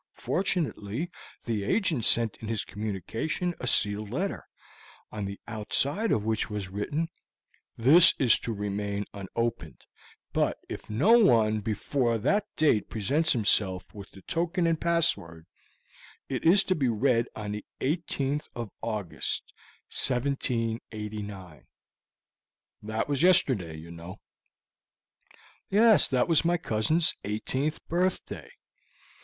Fortunately, the agent sent in his communication a sealed letter, on the outside of which was written, 'This is to remain unopened, but if no one before that date presents himself with the token and password, it is to be read on the 18th of August, 1789.' That was yesterday, you know." "Yes, that was my cousin's eighteenth birthday.